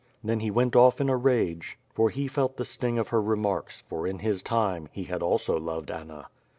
Then he went off in a rage, for he felt the sting of her re marks, for, in his time, he had also loved Anna.